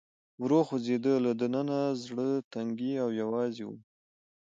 ورو خوځېده، له دننه زړه تنګی او یوازې ووم.